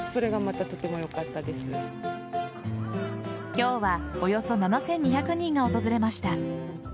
今日はおよそ７２００人が訪れました。